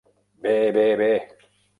Bé, bé, bé!